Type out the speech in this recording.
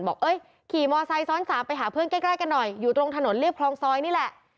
ขี่มอไซค์ซ้อนสามไปหาเพื่อนใกล้กันหน่อยอยู่ตรงถนนเรียบคลองซอยนี่แหละ